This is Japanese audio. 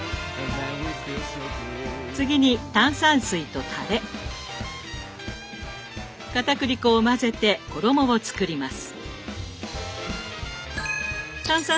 次に炭酸水とたれかたくり粉を混ぜて衣を作ります。